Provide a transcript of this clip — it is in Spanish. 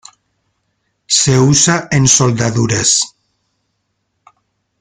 Se usa en soldaduras.